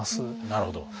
なるほど。